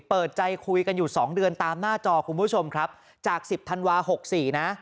เปิดใจคุยกันอยู่สองเดือนตามหน้าจอคุณผู้ชมครับจากสิบธันวาหกสี่นะ